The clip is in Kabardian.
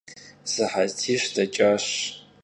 Sıhetiş deç'aş.